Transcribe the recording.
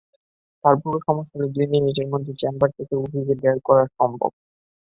তারপরও সমস্যা হলে দুই মিনিটের মধ্যে চেম্বার থেকে রোগীকে বের করা সম্ভব।